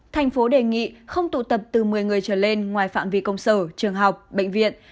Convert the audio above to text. thành phố đề nghị không tụ tập từ một mươi người trở lên ngoài phạm vi công sở trường học bệnh viện